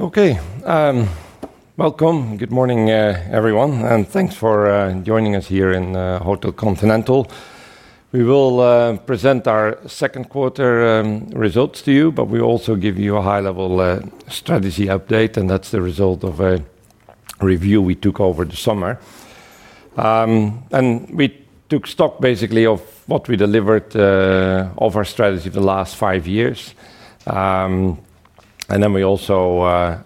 Okay, welcome. Good morning, everyone, and thanks for joining us here in Hotel Continental. We will present our second quarter results to you, but we will also give you a high-level strategy update, and that's the result of a review we took over the summer. We took stock, basically, of what we delivered, of our strategy the last five years. We also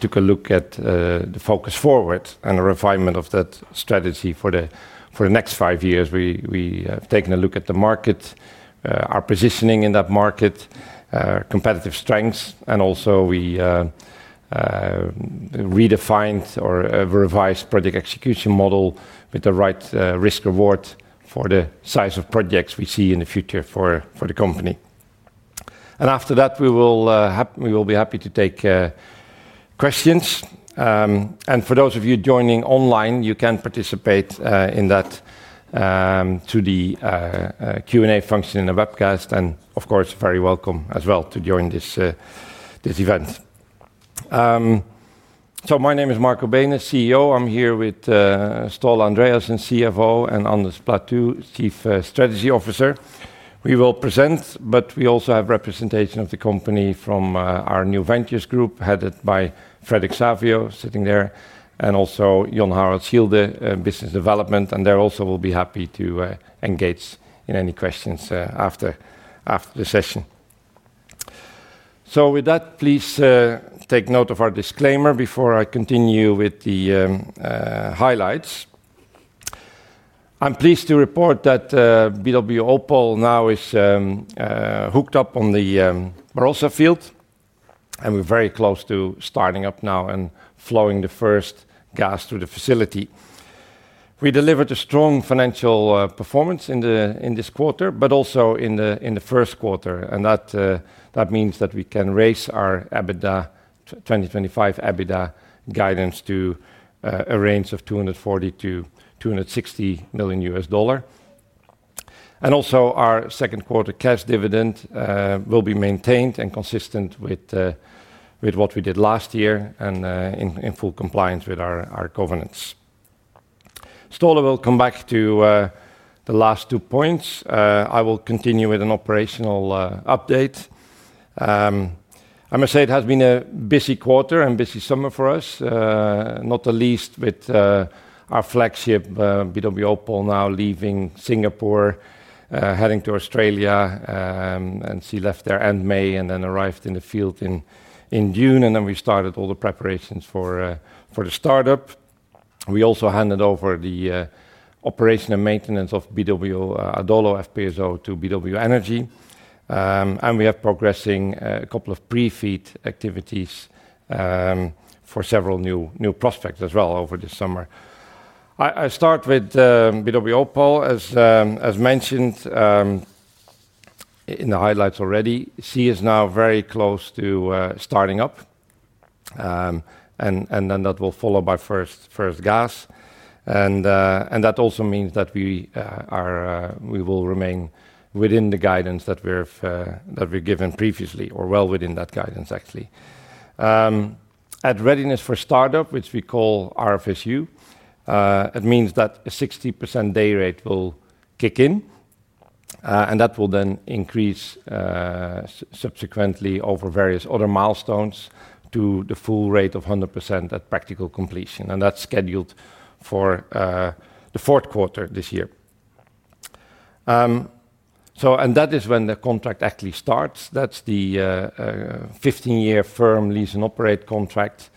took a look at the focus forward and the refinement of that strategy for the next five years. We have taken a look at the markets, our positioning in that market, competitive strengths, and also we revised our project execution model with the right risk-reward for the size of projects we see in the future for the company. After that, we will be happy to take questions. For those of you joining online, you can participate in that through the Q&A function in the webcast, and of course, very welcome as well to join this event. My name is Marco Beenen, CEO. I'm here with Ståle Andreassen, CFO, and Anders Platou, Chief Strategy Officer. We will present, but we also have representation of the company from our new ventures group headed by Fredrik Savio sitting there, and also Jon Harald Schilde, business development, and they also will be happy to engage in any questions after the session. With that, please take note of our disclaimer before I continue with the highlights. I'm pleased to report that BW Opal now is hooked up on the Barossa field, and we're very close to starting up now and flowing the first gas through the facility. We delivered a strong financial performance in this quarter, but also in the first quarter, and that means that we can raise our 2025 EBITDA guidance to a range of $240-$260 million. Also, our second quarter cash dividend will be maintained and consistent with what we did last year and in full compliance with our covenants. Ståle will come back to the last two points. I will continue with an operational update. I must say it has been a busy quarter and busy summer for us, not the least with our flagship BW Opal now leaving Singapore, heading to Australia. She left there end May and then arrived in the field in June, and then we started all the preparations for the startup. We also handed over the operation and maintenance of BW Adolo FPSO to BW Energy. We are progressing a couple of pre-FEED activities for several new prospects as well over this summer. I start with BW Opal as mentioned in the highlights already. She is now very close to starting up, and that will be followed by first gas. That also means that we will remain within the guidance that we've given previously, or well within that guidance, actually. At readiness for startup, which we call RFSU, it means that a 60% day rate will kick in, and that will then increase subsequently over various other milestones to the full rate of 100% at practical completion, and that's scheduled for the fourth quarter this year. That is when the contract actually starts. That's the 15-year firm lease and operate contract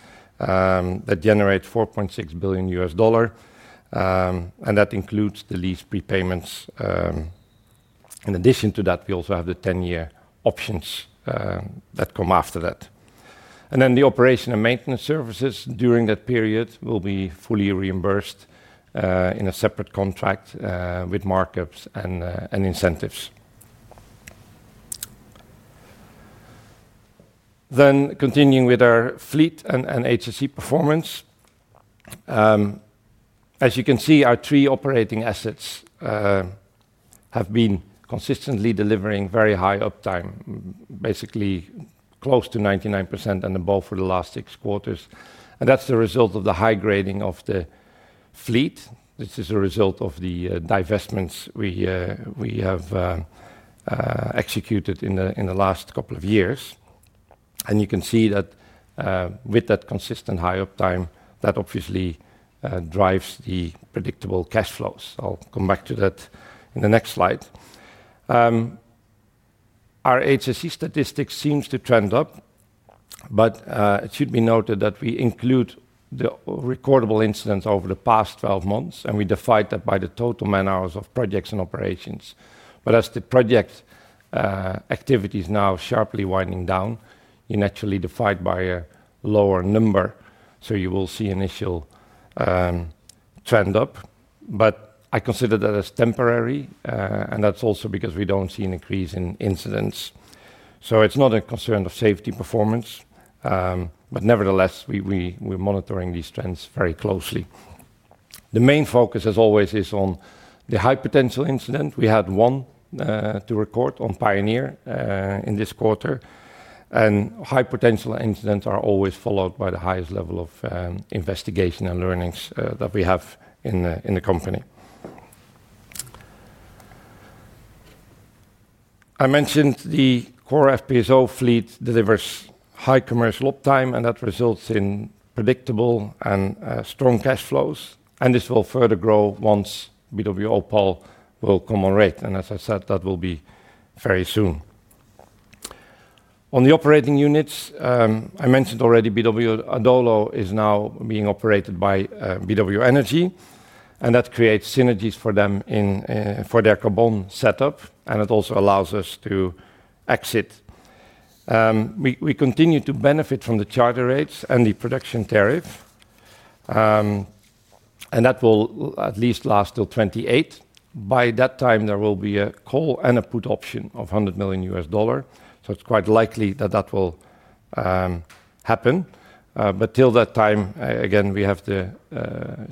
that generates $4.6 billion, and that includes the lease prepayments. In addition to that, we also have the 10-year options that come after that. The operation and maintenance services during that period will be fully reimbursed in a separate contract, with markups and incentives. Continuing with our fleet and HSE performance, as you can see, our three operating assets have been consistently delivering very high uptime, basically close to 99% and above for the last six quarters, and that's the result of the high grading of the fleet. This is a result of the divestments we have executed in the last couple of years. You can see that with that consistent high uptime, that obviously drives the predictable cash flows. I'll come back to that in the next slide. Our HSE statistics seem to trend up, but it should be noted that we include the recordable incidents over the past 12 months, and we divide that by the total man-hours of projects and operations. As the projects activities are now sharply winding down, you naturally divide by a lower number, so you will see an initial trend up. I consider that as temporary, and that's also because we don't see an increase in incidents. It's not a concern of safety performance, but nevertheless, we're monitoring these trends very closely. The main focus, as always, is on the high-potential incident. We had one to record on Pioneer in this quarter, and high-potential incidents are always followed by the highest level of investigation and learnings that we have in the company. I mentioned the core FPSO fleet delivers high commercial uptime, and that results in predictable and strong cash flows, and this will further grow once BW Opal will come on rate. As I said, that will be very soon. On the operating units, I mentioned already BW Adolo is now being operated by BW Energy, and that creates synergies for them for their carbon setup, and it also allows us to exit. We continue to benefit from the charter rates and the production tariff, and that will at least last till 2028. By that time, there will be a call and a put option of $100 million, so it's quite likely that that will happen. Till that time, we have the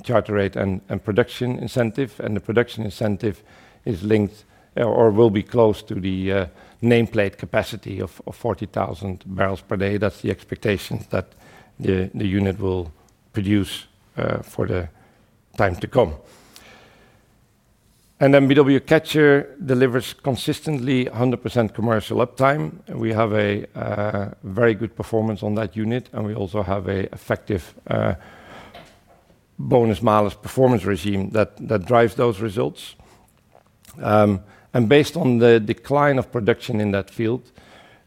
charter rate and production incentive, and the production incentive is linked or will be close to the nameplate capacity of 40,000 barrels per day. That's the expectation that the unit will produce for the time to come. BW Catcher delivers consistently 100% commercial uptime. We have a very good performance on that unit, and we also have an effective bonus-mileage performance regime that drives those results. Based on the decline of production in that field,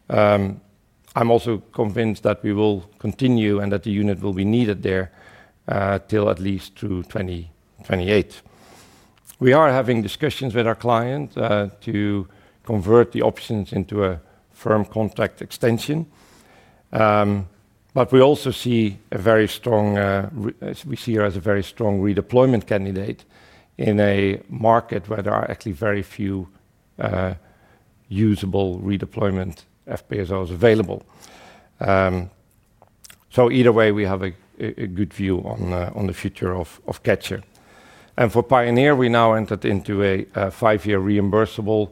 I'm also convinced that we will continue and that the unit will be needed there till at least through 2028. We are having discussions with our client to convert the options into a firm contract extension. We also see her as a very strong redeployment candidate in a market where there are actually very few usable redeployment FPSOs available. Either way, we have a good view on the future of Catcher. For Pioneer, we now entered into a five-year reimbursable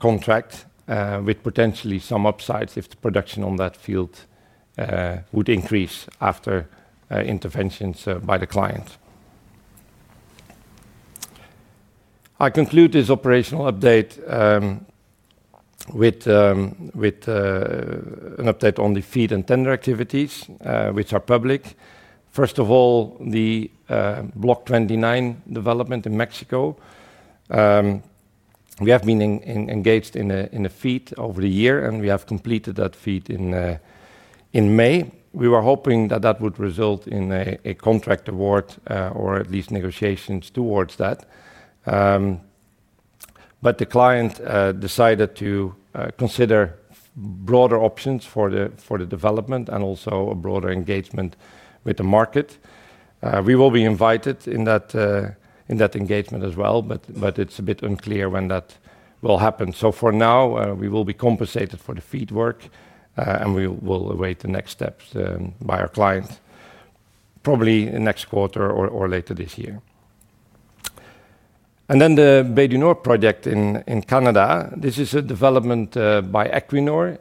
contract, with potentially some upsides if the production on that field would increase after interventions by the client. I conclude this operational update with an update on the FEED and tender activities, which are public. First of all, the Block 29 development in Mexico. We have been engaged in a FEED over the year, and we have completed that FEED in May. We were hoping that that would result in a contract award, or at least negotiations towards that. The client decided to consider broader options for the development and also a broader engagement with the market. We will be invited in that engagement as well, but it's a bit unclear when that will happen. For now, we will be compensated for the FEED work, and we will await the next steps by our client, probably in the next quarter or later this year. The Bay du Nord project in Canada is a development by Equinor,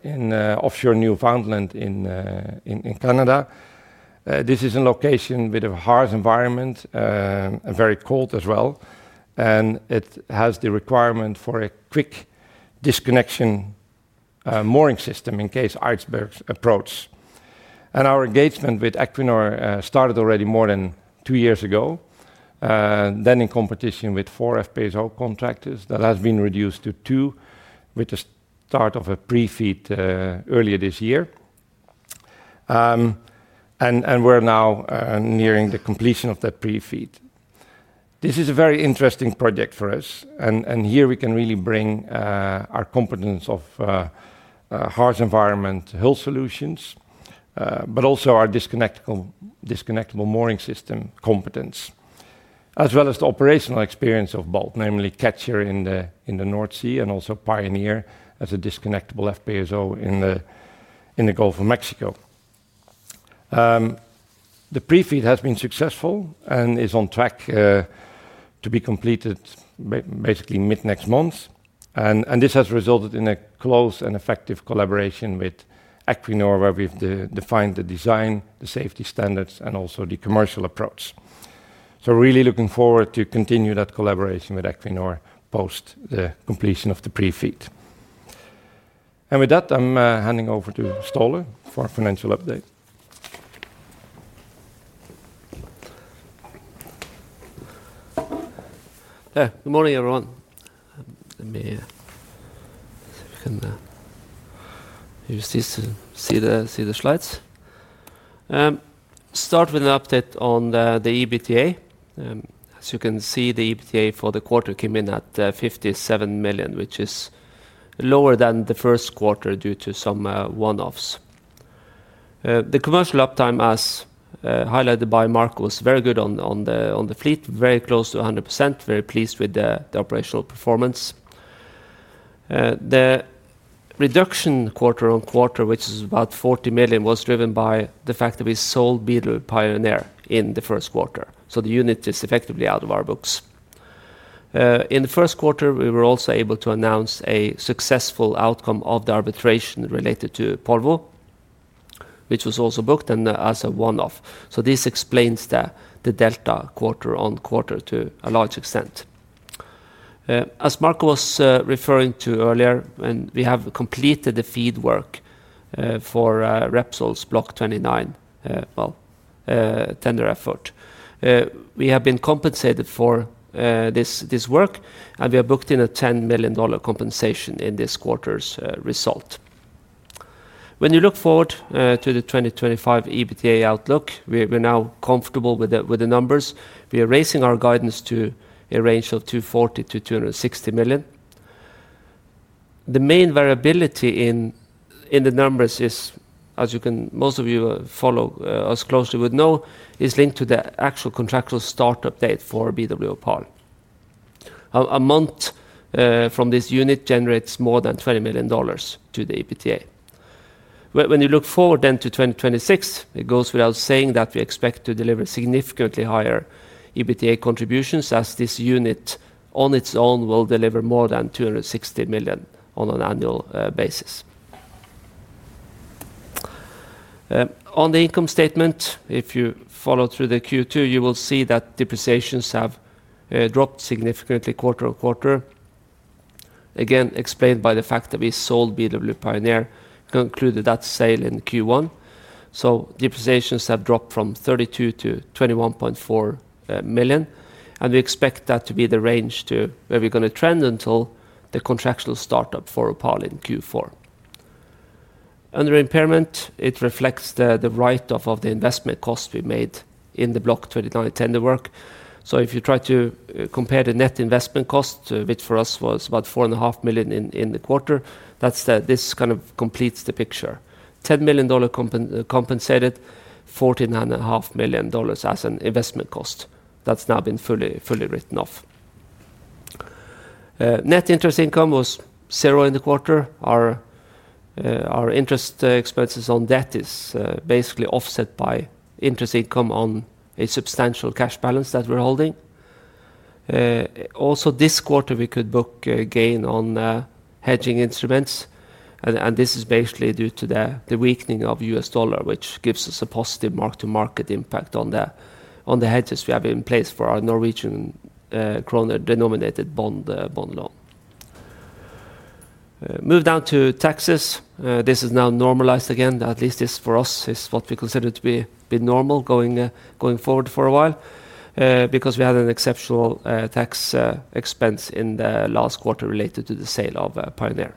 offshore Newfoundland in Canada. This is a location with a harsh environment, very cold as well, and it has the requirement for a quick disconnection mooring system in case icebergs approach. Our engagement with Equinor started already more than two years ago, then in competition with four FPSO contractors that have been reduced to two with the start of a pre-FEED earlier this year. We're now nearing the completion of that pre-FEED. This is a very interesting project for us, and here we can really bring our competence of harsh environment hull solutions, but also our disconnectable mooring system competence, as well as the operational experience of both, namely Catcher in the North Sea and also Pioneer as a disconnectable FPSO in the Gulf of Mexico. The pre-FEED has been successful and is on track to be completed basically mid-next month. This has resulted in a close and effective collaboration with Equinor where we've defined the design, the safety standards, and also the commercial approach. Really looking forward to continue that collaboration with Equinor post the completion of the pre-FEED. With that, I'm handing over to Ståle for a financial update. Good morning, everyone. Let me see if I can use this to see the slides. Start with an update on the EBITDA. As you can see, the EBITDA for the quarter came in at $57 million, which is lower than the first quarter due to some one-offs. The commercial uptime, as highlighted by Marco, was very good on the fleet, very close to 100%, very pleased with the operational performance. The reduction quarter-on-quarter, which is about $40 million, was driven by the fact that we sold BW Pioneer in the first quarter. The unit is effectively out of our books. In the first quarter, we were also able to announce a successful outcome of the arbitration related to Polvo, which was also booked as a one-off. This explains the delta quarter-on-quarter to a large extent. As Marco was referring to earlier, we have completed the FEED work for Repsol's Block 29 tender effort. We have been compensated for this work, and we have booked in a $10 million compensation in this quarter's result. When you look forward to the 2025 EBITDA outlook, we're now comfortable with the numbers. We are raising our guidance to a range of $240-$260 million. The main variability in the numbers is, as most of you who follow us closely would know, linked to the actual contractual startup date for BW Opal. A month from this unit generates more than $20 million to the EBITDA. When you look forward to 2026, it goes without saying that we expect to deliver significantly higher EBITDA contributions as this unit on its own will deliver more than $260 million on an annual basis. On the income statement, if you follow through the Q2, you will see that depreciations have dropped significantly quarter-to-quarter, again explained by the fact that we sold BW Pioneer, concluded that sale in Q1. Depreciations have dropped from $32 million-$21.4 million, and we expect that to be the range where we're going to trend until the contractual startup for Opal in Q4. Under impairment, it reflects the write-off of the investment costs we made in the Block 29 tender work. If you try to compare the net investment cost, which for us was about $4.5 million in the quarter, this kind of completes the picture. $10 million compensated, $14.5 million as an investment cost. That's now been fully written off. Net interest income was zero in the quarter. Our interest expenses on debt are basically offset by interest income on a substantial cash balance that we're holding. Also, this quarter, we could book a gain on hedging instruments, and this is basically due to the weakening of the U.S. dollar, which gives us a positive mark-to-market impact on the hedges we have in place for our Norwegian kroner-denominated bond loan. Moving down to taxes, this is now normalized again. At least this for us is what we consider to be normal going forward for a while, because we had an exceptional tax expense in the last quarter related to the sale of Pioneer.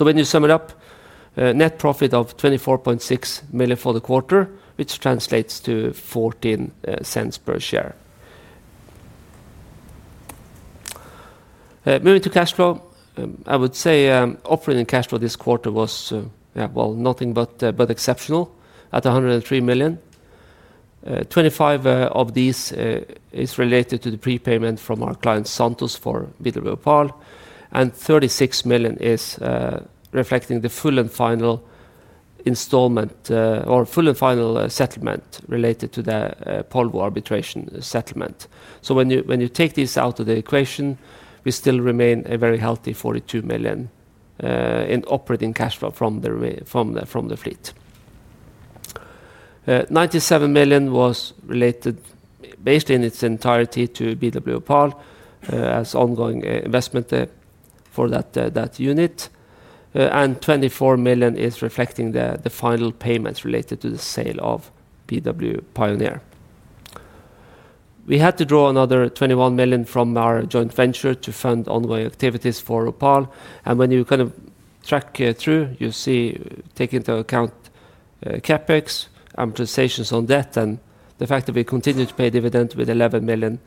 When you sum it up, net profit of $24.6 million for the quarter, which translates to $0.14 per share. Moving to cash flow, I would say operating cash flow this quarter was nothing but exceptional at $103 million. $25 million of this is related to the prepayment from our client Santos for BW Opal, and $36 million is reflecting the full and final installment, or full and final settlement, related to the Polvo arbitration settlement. When you take this out of the equation, we still remain a very healthy $42 million in operating cash flow from the fleet. $97 million was related basically in its entirety to BW Opal as ongoing investment for that unit, and $24 million is reflecting the final payments related to the sale of BW Pioneer. We had to draw another $21 million from our joint venture to fund ongoing activities for Opal. When you track through, you see, take into account CapEx, amortizations on debt, and the fact that we continue to pay dividends with $11 million.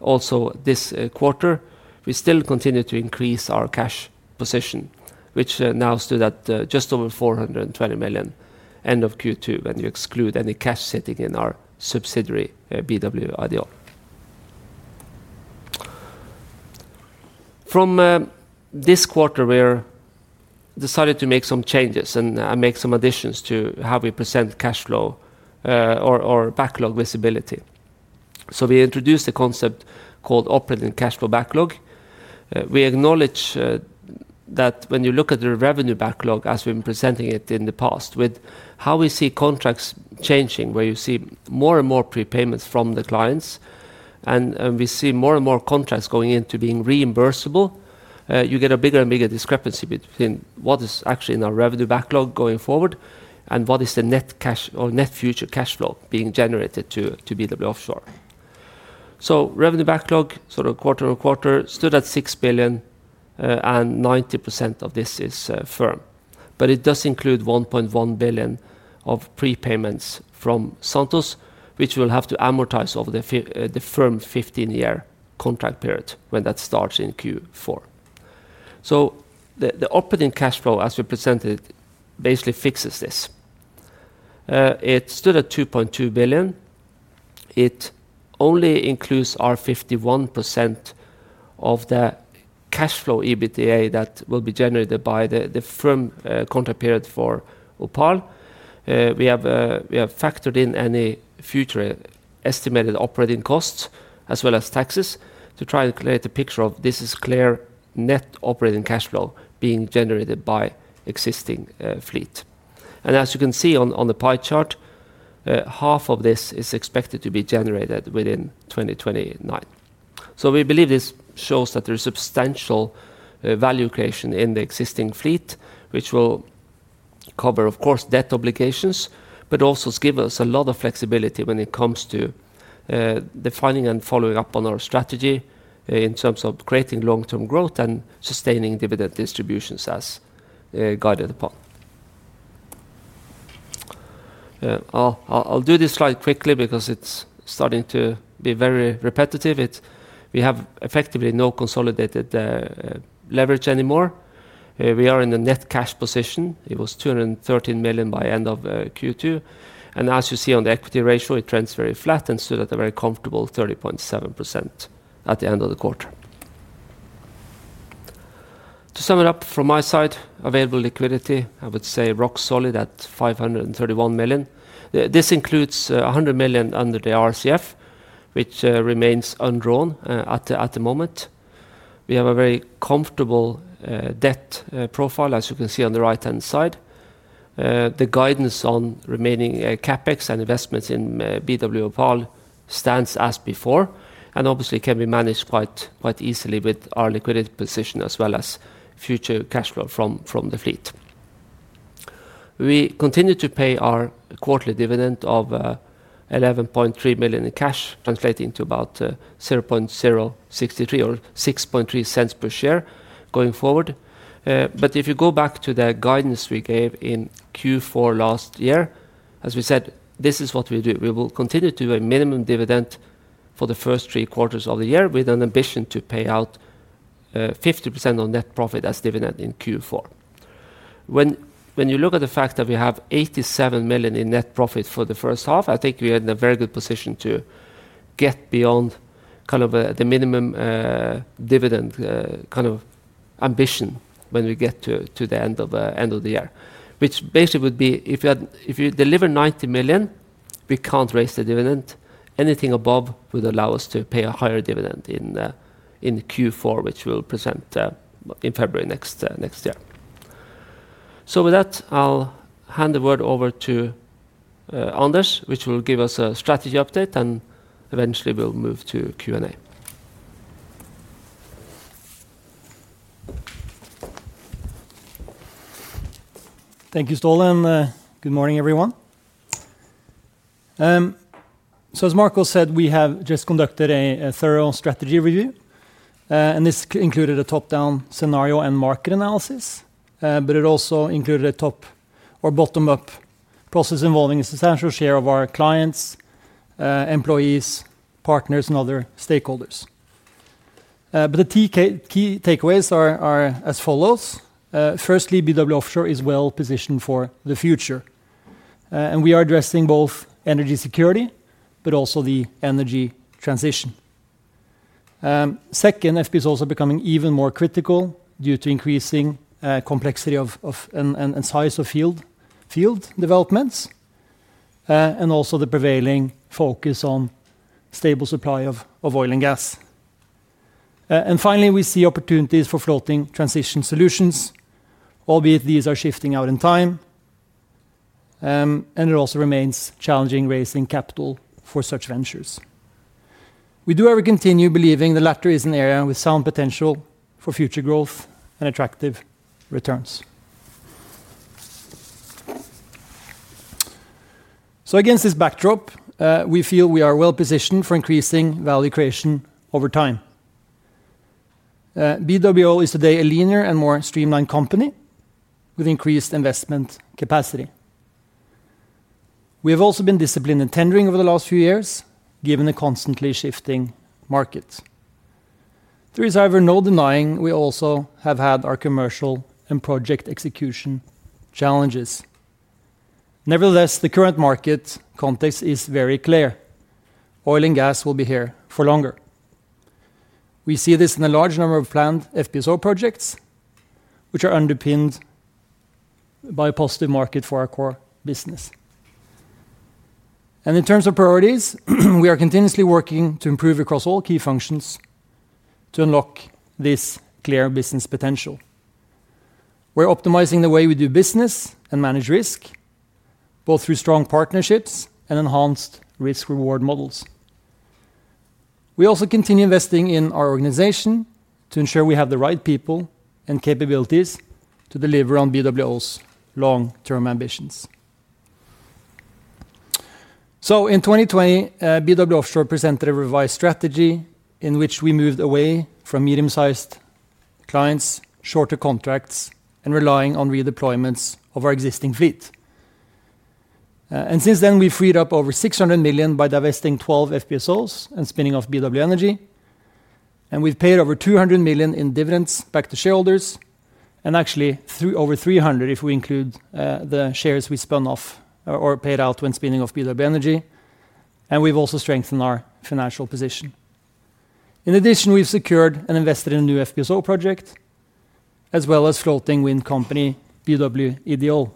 Also, this quarter, we still continue to increase our cash position, which now stood at just over $420 million at the end of Q2 when you exclude any cash sitting in our subsidiary, BW Ideol. From this quarter, we decided to make some changes and make some additions to how we present cash flow or backlog visibility. We introduced a concept called operating cash flow backlog. We acknowledge that when you look at the revenue backlog, as we've been presenting it in the past, with how we see contracts changing, where you see more and more prepayments from the clients, and we see more and more contracts going into being reimbursable, you get a bigger and bigger discrepancy between what is actually in our revenue backlog going forward and what is the net cash or net future cash flow being generated to BW Offshore. Revenue backlog, sort of quarter-to-quarter, stood at $6 billion, and 90% of this is firm. It does include $1.1 billion of prepayments from Santos, which we'll have to amortize over the firm 15-year contract period when that starts in Q4. The operating cash flow, as we presented it, basically fixes this. It stood at $2.2 billion. It only includes our 51% of the cash flow EBITDA that will be generated by the firm contract period for Opal. We have factored in any future estimated operating costs as well as taxes to try and create a picture of this as clear net operating cash flow being generated by existing fleet. As you can see on the pie chart, half of this is expected to be generated within 2029. We believe this shows that there's substantial value creation in the existing fleet, which will cover, of course, debt obligations, but also give us a lot of flexibility when it comes to defining and following up on our strategy in terms of creating long-term growth and sustaining dividend distributions as guided upon. I'll do this slide quickly because it's starting to be very repetitive. We have effectively no consolidated leverage anymore. We are in the net cash position. It was $213 million by end of Q2. As you see on the equity ratio, it trends very flat and stood at a very comfortable 30.7% at the end of the quarter. To sum it up from my side, available liquidity, I would say rock solid at $531 million. This includes $100 million under the RCF, which remains undrawn at the moment. We have a very comfortable debt profile, as you can see on the right-hand side. The guidance on remaining CapEx and investments in BW Opal stands as before, and obviously can be managed quite easily with our liquidity position as well as future cash flow from the fleet. We continue to pay our quarterly dividend of $11.3 million in cash, translating to about $0.063 per share going forward. If you go back to the guidance we gave in Q4 last year, as we said, this is what we do. We will continue to do a minimum dividend for the first three quarters of the year with an ambition to pay out 50% of net profit as dividend in Q4. When you look at the fact that we have $87 million in net profit for the first half, I think we are in a very good position to get beyond kind of the minimum dividend ambition when we get to the end of the year, which basically would be if you deliver $90 million, we can't raise the dividend. Anything above would allow us to pay a higher dividend in Q4, which we'll present in February next year. With that, I'll hand the word over to Anders, which will give us a strategy update, and eventually, we'll move to Q&A. Thank you, Ståle, and good morning, everyone. As Marco said, we have just conducted a thorough strategy review, and this included a top-down scenario and market analysis, but it also included a top or bottom-up process involving a substantial share of our clients, employees, partners, and other stakeholders. The key takeaways are as follows. Firstly, BW Offshore is well positioned for the future, and we are addressing both energy security, but also the energy transition. Second, FPSO is also becoming even more critical due to increasing complexity of and size of field developments, and also the prevailing focus on stable supply of oil and gas. Finally, we see opportunities for floating transition solutions, albeit these are shifting out in time, and it also remains challenging raising capital for such ventures. We do have a continued belief the latter is an area with sound potential for future growth and attractive returns. Against this backdrop, we feel we are well positioned for increasing value creation over time. BW is today a leaner and more streamlined company with increased investment capacity. We have also been disciplined in tendering over the last few years, given the constantly shifting market. There is, however, no denying we also have had our commercial and project execution challenges. Nevertheless, the current market context is very clear. Oil and gas will be here for longer. We see this in a large number of planned FPSO projects, which are underpinned by a positive market for our core business. In terms of priorities, we are continuously working to improve across all key functions to unlock this clear business potential. We're optimizing the way we do business and manage risk, both through strong partnerships and enhanced risk-reward models. We also continue investing in our organization to ensure we have the right people and capabilities to deliver on BW's long-term ambitions. In 2020, BW Offshore presented a revised strategy in which we moved away from medium-sized clients, shorter contracts, and relying on redeployments of our existing fleet. Since then, we freed up over $600 million by divesting 12 FPSOs and spinning off BW Energy, and we've paid over $200 million in dividends back to shareholders, and actually over $300 million if we include the shares we spun off or paid out when spinning off BW Energy, and we've also strengthened our financial position. In addition, we've secured and invested in a new FPSO project, as well as floating wind company BW Ideol.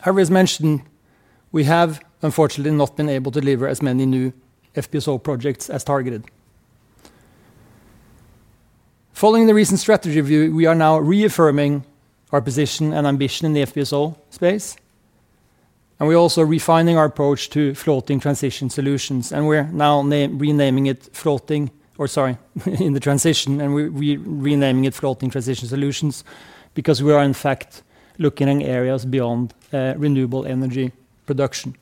However, as mentioned, we have unfortunately not been able to deliver as many new FPSO projects as targeted. Following the recent strategy review, we are now reaffirming our position and ambition in the FPSO space, and we're also refining our approach to floating transition solutions, and we're now renaming it floating transition solutions because we are, in fact, looking at areas beyond renewable energy production.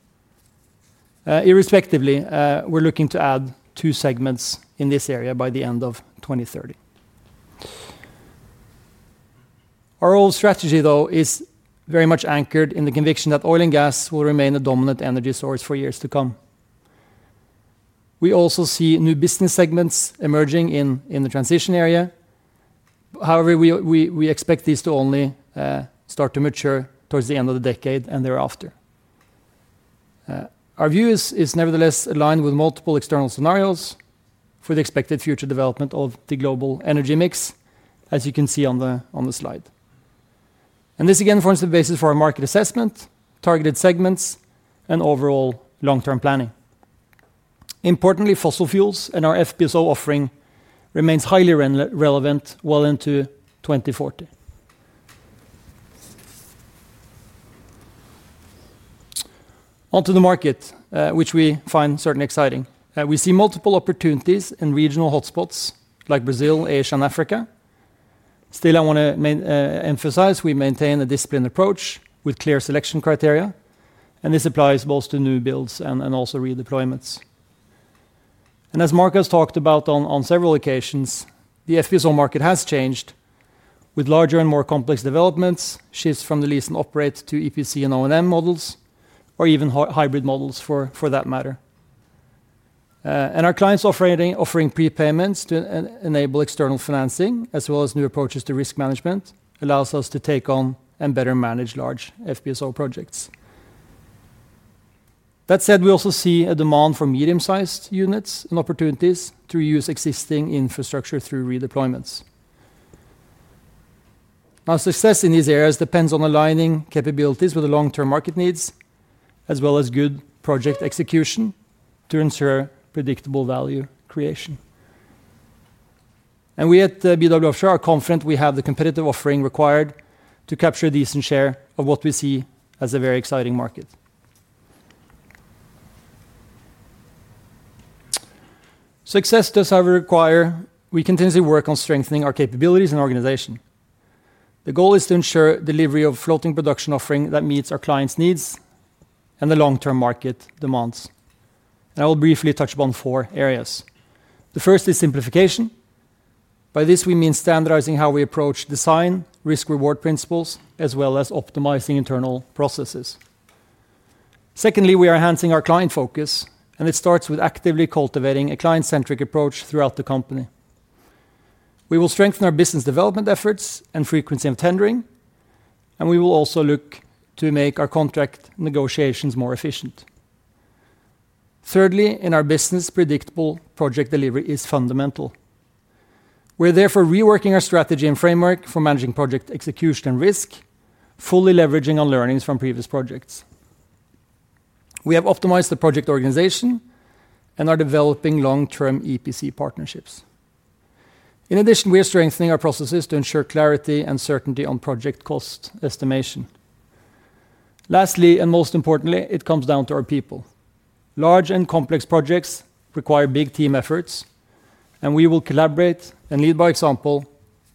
Irrespectively, we're looking to add two segments in this area by the end of 2030. Our old strategy, though, is very much anchored in the conviction that oil and gas will remain a dominant energy source for years to come. We also see new business segments emerging in the transition area. However, we expect these to only start to mature towards the end of the decade and thereafter. Our view is nevertheless aligned with multiple external scenarios for the expected future development of the global energy mix, as you can see on the slide. This, again, forms the basis for our market assessment, targeted segments, and overall long-term planning. Importantly, fossil fuels and our FPSO offering remain highly relevant well into 2040. Onto the market, which we find certainly exciting. We see multiple opportunities in regional hotspots like Brazil, Asia, and Africa. I want to emphasize we maintain a disciplined approach with clear selection criteria, and this applies both to new builds and also redeployments. As Marco has talked about on several occasions, the FPSO market has changed with larger and more complex developments, shifts from the lease and operates to EPC and O&M models, or even hybrid models for that matter. Our clients are offering prepayments to enable external financing as well as new approaches to risk management allow us to take on and better manage large FPSO projects. That said, we also see a demand for medium-sized units and opportunities to reuse existing infrastructure through redeployments. Our success in these areas depends on aligning capabilities with the long-term market needs, as well as good project execution to ensure predictable value creation. We at BW Offshore are confident we have the competitive offering required to capture a decent share of what we see as a very exciting market. Success does, however, require we continue to work on strengthening our capabilities and organization. The goal is to ensure delivery of floating production offering that meets our clients' needs and the long-term market demands. I will briefly touch upon four areas. The first is simplification. By this, we mean standardizing how we approach design, risk-reward principles, as well as optimizing internal processes. Secondly, we are enhancing our client focus, and it starts with actively cultivating a client-centric approach throughout the company. We will strengthen our business development efforts and frequency of tendering, and we will also look to make our contract negotiations more efficient. Thirdly, in our business, predictable project delivery is fundamental. We are therefore reworking our strategy and framework for managing project execution and risk, fully leveraging on learnings from previous projects. We have optimized the project organization and are developing long-term EPC partnerships. In addition, we are strengthening our processes to ensure clarity and certainty on project cost estimation. Lastly, and most importantly, it comes down to our people. Large and complex projects require big team efforts, and we will collaborate and lead by example,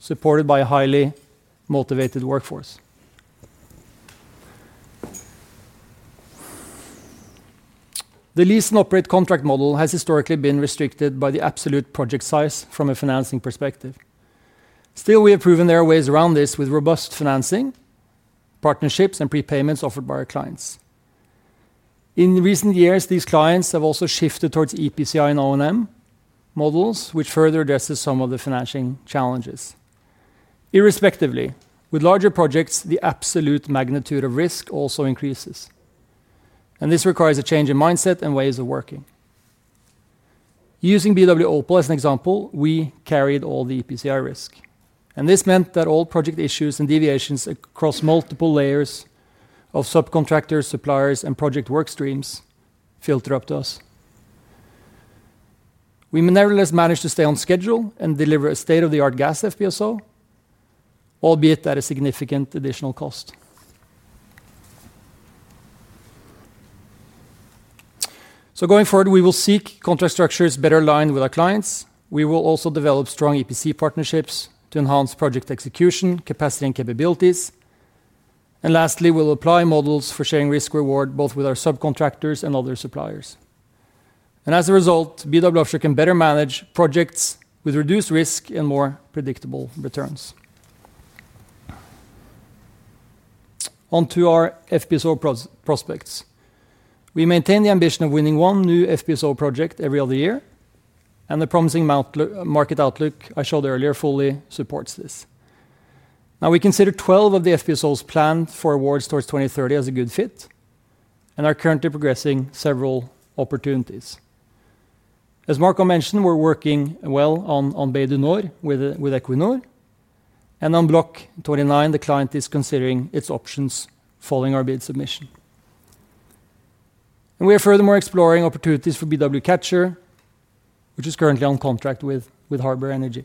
supported by a highly motivated workforce. The lease and operate contract model has historically been restricted by the absolute project size from a financing perspective. Still, we have proven there are ways around this with robust financing, partnerships, and prepayments offered by our clients. In recent years, these clients have also shifted towards EPCI and O&M models, which further addresses some of the financing challenges. Irrespectively, with larger projects, the absolute magnitude of risk also increases, and this requires a change in mindset and ways of working. Using BW Opal as an example, we carried all the EPCI risk, and this meant that all project issues and deviations across multiple layers of subcontractors, suppliers, and project work streams filter up to us. We nevertheless managed to stay on schedule and deliver a state-of-the-art gas FPSO, albeit at a significant additional cost. Going forward, we will seek contract structures better aligned with our clients. We will also develop strong EPC partnerships to enhance project execution, capacity, and capabilities. Lastly, we'll apply models for sharing risk-reward both with our subcontractors and other suppliers. As a result, BW can better manage projects with reduced risk and more predictable returns. Onto our FPSO prospects. We maintain the ambition of winning one new FPSO project every other year, and the promising market outlook I showed earlier fully supports this. We consider 12 of the FPSOs planned for awards towards 2030 as a good fit, and are currently progressing several opportunities. As Marco mentioned, we're working well on Bay du Nord with Equinor, and on Block 29, the client is considering its options following our bid submission. We are furthermore exploring opportunities for BW Catcher, which is currently on contract with Harbor Energy.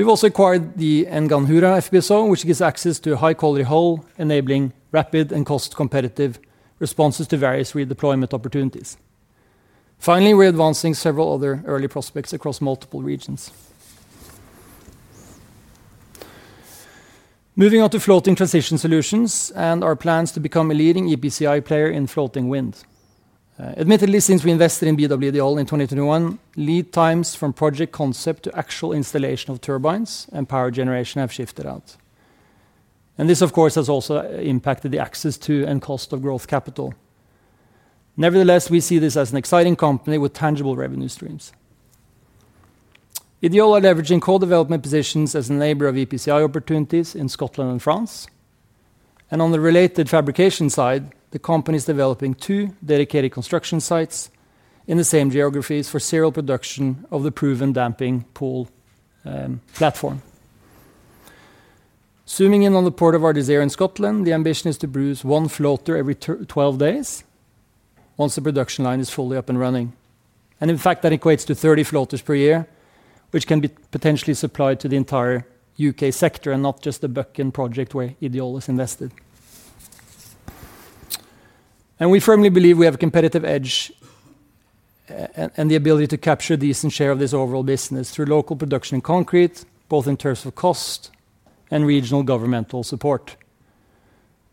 We've also acquired the Nganhurra FPSO, which gives access to a high-quality hull, enabling rapid and cost-competitive responses to various redeployment opportunities. Finally, we're advancing several other early prospects across multiple regions. Moving on to floating transition solutions and our plans to become a leading EPCI player in floating wind. Admittedly, since we invested in BW Ideol in 2021, lead times from project concept to actual installation of turbines and power generation have shifted out. This, of course, has also impacted the access to and cost of growth capital. Nevertheless, we see this as an exciting company with tangible revenue streams. Ideol are leveraging co-development positions as a neighbor of EPCI opportunities in Scotland and France. On the related fabrication side, the company is developing two dedicated construction sites in the same geographies for serial production of the proven damping pool platform. Zooming in on the port of our desire in Scotland, the ambition is to produce one floater every 12 days once the production line is fully up and running. In fact, that equates to 30 floaters per year, which can be potentially supplied to the entire UK sector and not just the Buckingham project where Ideol is invested. We firmly believe we have a competitive edge and the ability to capture a decent share of this overall business through local production in concrete, both in terms of cost and regional governmental support.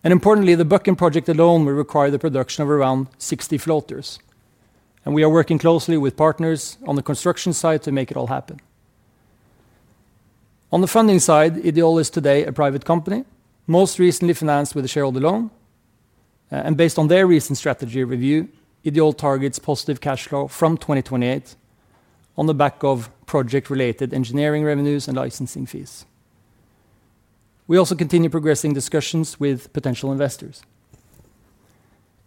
Importantly, the Buckingham project alone will require the production of around 60 floaters. We are working closely with partners on the construction site to make it all happen. On the funding side, Ideol is today a private company, most recently financed with a shareholder loan. Based on their recent strategy review, BW Ideol targets positive cash flow from 2028 on the back of project-related engineering revenues and licensing fees. We also continue progressing discussions with potential investors.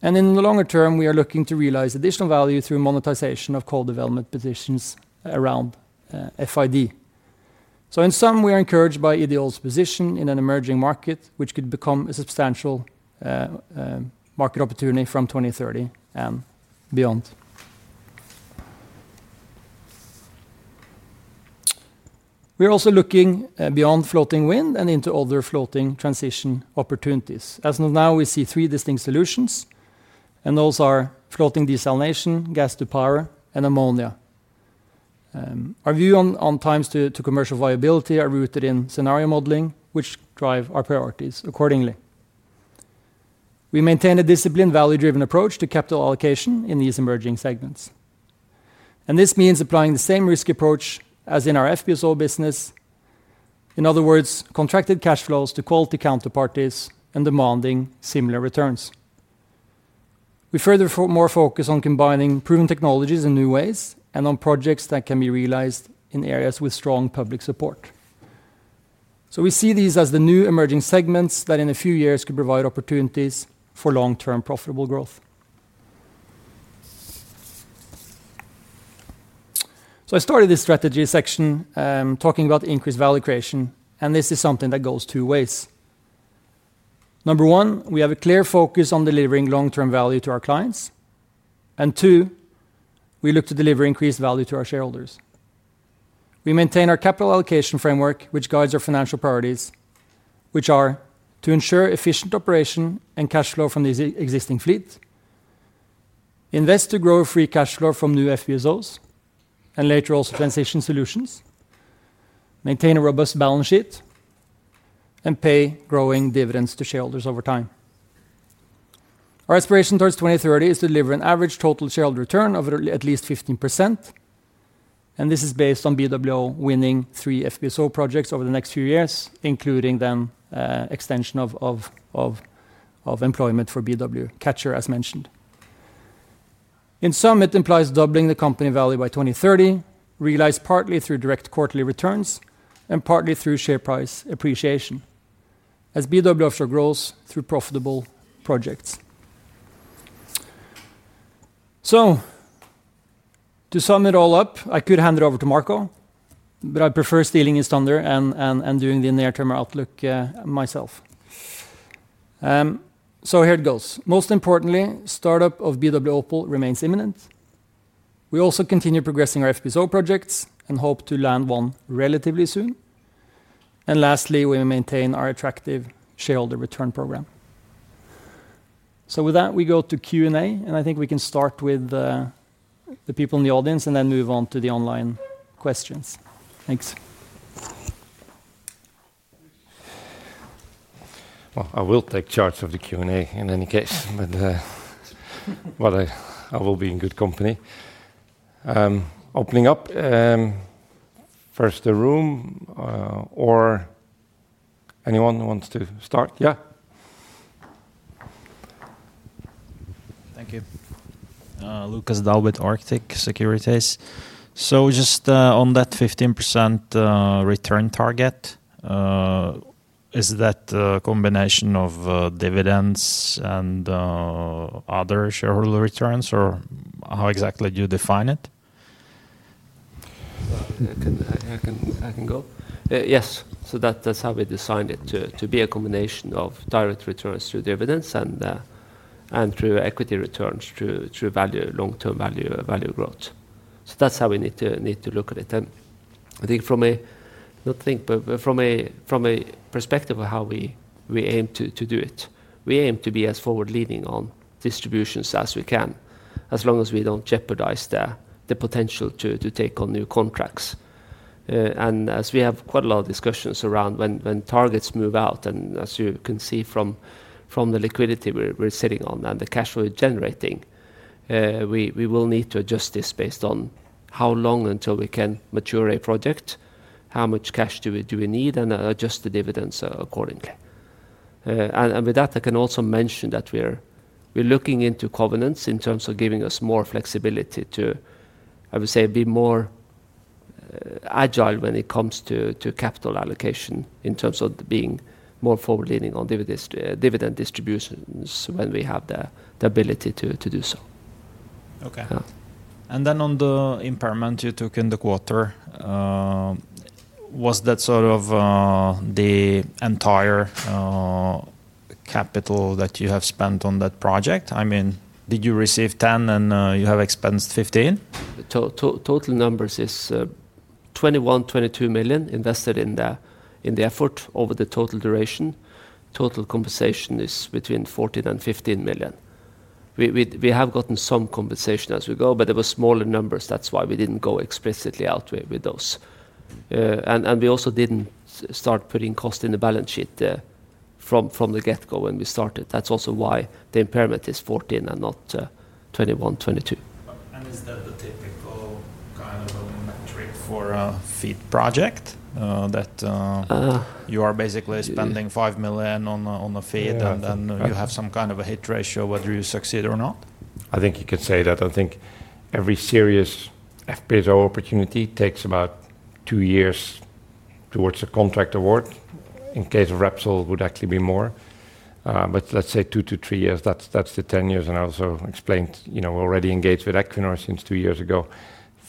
In the longer term, we are looking to realize additional value through monetization of co-development positions around FID. In sum, we are encouraged by BW Ideol's position in an emerging market, which could become a substantial market opportunity from 2030 and beyond. We are also looking beyond floating wind and into other floating transition opportunities. As of now, we see three distinct solutions, and those are floating desalination, gas-to-power, and ammonia. Our view on times to commercial viability are rooted in scenario modeling, which drive our priorities accordingly. We maintain a disciplined, value-driven approach to capital allocation in these emerging segments. This means applying the same risk approach as in our FPSO business. In other words, contracted cash flows to quality counterparties and demanding similar returns. We furthermore focus on combining proven technologies in new ways and on projects that can be realized in areas with strong public support. We see these as the new emerging segments that in a few years could provide opportunities for long-term profitable growth. I started this strategy section talking about increased value creation, and this is something that goes two ways. Number one, we have a clear focus on delivering long-term value to our clients. Two, we look to deliver increased value to our shareholders. We maintain our capital allocation framework, which guides our financial priorities, which are to ensure efficient operation and cash flow from these existing fleets, invest to grow free cash flow from new FPSOs and later also transition solutions, maintain a robust balance sheet, and pay growing dividends to shareholders over time. Our aspiration towards 2030 is to deliver an average total shareholder return of at least 15%, and this is based on BW winning three FPSO projects over the next few years, including extension of employment for BW Catcher, as mentioned. In sum, it implies doubling the company value by 2030, realized partly through direct quarterly returns and partly through share price appreciation, as BW Offshore grows through profitable projects. To sum it all up, I could hand it over to Marco, but I'd prefer stealing his thunder and doing the near-term outlook myself. Here it goes. Most importantly, startup of BW Opal remains imminent. We also continue progressing our FPSO projects and hope to land one relatively soon. Lastly, we maintain our attractive shareholder return program. With that, we go to Q&A, and I think we can start with the people in the audience and then move on to the online questions. Thanks. I will take charge of the Q&A in any case, but I will be in good company. Opening up, first the room, or anyone who wants to start? Yeah. Thank you.[Lucas Dalbet] Arctic Securities. On that 15% return target, is that a combination of dividends and other shareholder returns, or how exactly do you define it? Yes. That's how we designed it to be a combination of direct returns through dividends and through equity returns through long-term value growth. That's how we need to look at it. I think from a perspective of how we aim to do it, we aim to be as forward-leaning on distributions as we can, as long as we don't jeopardize the potential to take on new contracts. We have quite a lot of discussions around when targets move out, and as you can see from the liquidity we're sitting on and the cash we're generating, we will need to adjust this based on how long until we can mature a project, how much cash we need, and adjust the dividends accordingly. I can also mention that we are looking into covenants in terms of giving us more flexibility to, I would say, be more agile when it comes to capital allocation in terms of being more forward-leaning on dividend distributions when we have the ability to do so. Okay. On the impairment you took in the quarter, was that the entire capital that you have spent on that project? Did you receive $10 million and you have expensed $15 million? The total number is $21, $22 million invested in the effort over the total duration. Total compensation is between $14 and $15 million. We have gotten some compensation as we go, but it was smaller numbers. That's why we didn't go explicitly out with those. We also didn't start putting cost in the balance sheet from the get-go when we started. That's also why the impairment is $14 and not $21, $22. Is that the typical kind of amendment for a FEED project, that you are basically spending $5 million on a FEED, and then you have some kind of a hit ratio whether you succeed or not? I think you could say that. I think every serious FPSO opportunity takes about two years towards a contract award. In case of Repsol, it would actually be more. Let's say two to three years, that's the ten years. I also explained, you know, we're already engaged with Equinor since two years ago.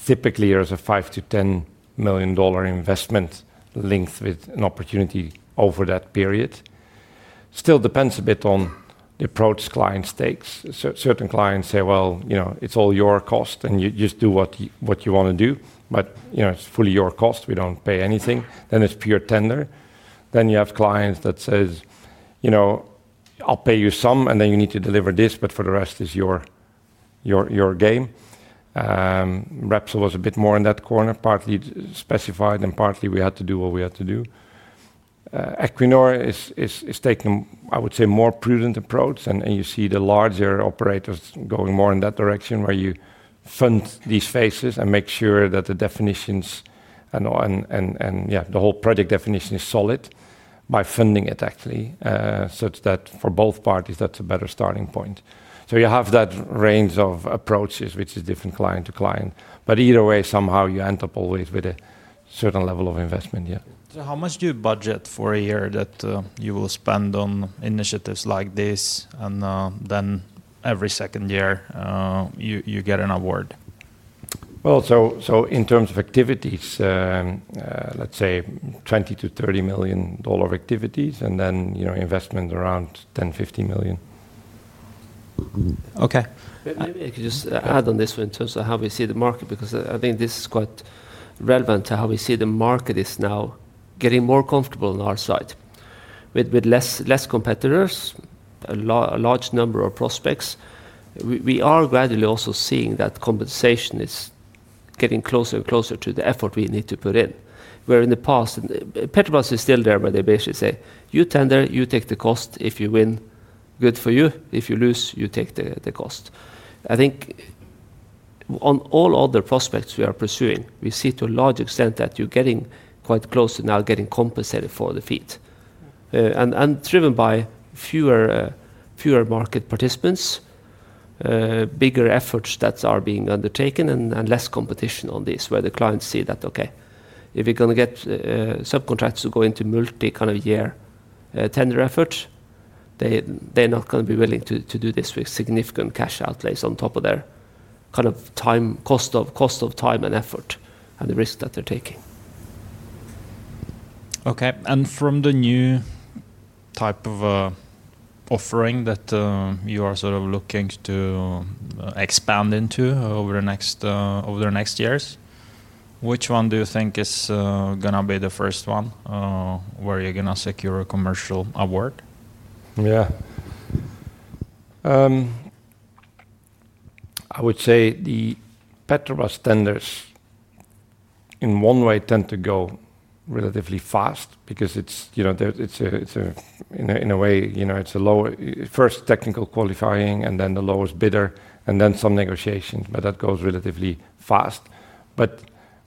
Typically, there's a $5-$10 million investment linked with an opportunity over that period. It still depends a bit on the approach clients take. Certain clients say, you know, it's all your cost and you just do what you want to do, but you know, it's fully your cost. We don't pay anything. Then it's pure tender. You have clients that say, you know, I'll pay you some and then you need to deliver this, but for the rest it's your game. Repsol was a bit more in that corner, partly specified and partly we had to do what we had to do. Equinor is taking, I would say, a more prudent approach and you see the larger operators going more in that direction where you fund these phases and make sure that the definitions and the whole project definition is solid by funding it actually, such that for both parties that's a better starting point. You have that range of approaches, which is different client to client, but either way, somehow you end up always with a certain level of investment. Yeah. How much do you budget for a year that you will spend on initiatives like this, and then every second year you get an award? In terms of activities, let's say $20 million-$30 million activities, and then, you know, investment around $10 million, $15 million. Okay. Maybe I could just add on this one too, how we see the market because I think this is quite relevant to how we see the market is now getting more comfortable on our side with less competitors, but a large number of prospects. We are gradually also seeing that compensation is getting closer and closer to the effort we need to put in. Where in the past, Petrobras is still there, but they basically say, you tender, you take the cost. If you win, good for you. If you lose, you take the cost. I think on all other prospects we are pursuing, we see to a large extent that you're getting quite close to now getting compensated for the FEED, and driven by fewer market participants, bigger efforts that are being undertaken, and less competition on this where the clients see that, okay, if you're going to get subcontracts to go into multi-year tender effort, they're not going to be willing to do this with significant cash outlays on top of their kind of cost of time and effort and the risk that they're taking. From the new type of offering that you are sort of looking to expand into over the next years, which one do you think is going to be the first one where you're going to secure a commercial award? Yeah. I would say the Petrobras tenders in one way tend to go relatively fast because it's, you know, it's a low first technical qualifying and then the lowest bidder and then some negotiation, but that goes relatively fast. The